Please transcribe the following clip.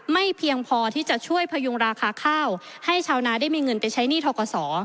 เพียงพอที่จะช่วยพยุงราคาข้าวให้ชาวนาได้มีเงินไปใช้หนี้ทกศ